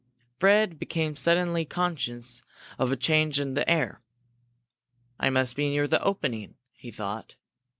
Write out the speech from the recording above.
Fred became suddenly conscious of a change in the air. "I must be near the opening," he thought.